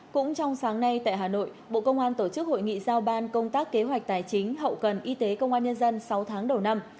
cũng trong sáng nay tại hà nội bộ công an tổ chức hội nghị giao ban công tác kế hoạch tài chính hậu cần y tế công an nhân dân sáu tháng đầu năm